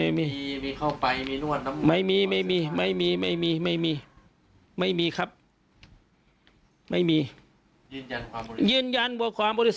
วันไหรศีลสุดใจครับวันไหรศีลสุดใจทุกอย่างครับ